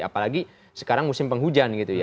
apalagi sekarang musim penghujan